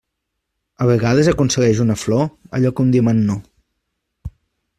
A vegades aconsegueix una flor allò que un diamant no.